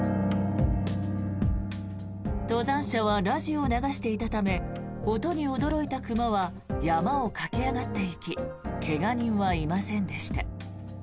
登山者はラジオを流していたため音に驚いた熊は山を駆け上がっていき怪我人はいませんでした。